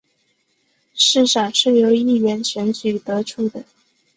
市长是由议员选举得出的。